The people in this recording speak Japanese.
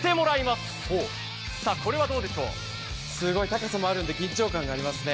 すごい高さもあるので緊張感もありますね。